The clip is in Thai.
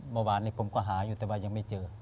เมื่อวานนี้ผมก็หาอยู่แต่ว่ายังไม่เจอ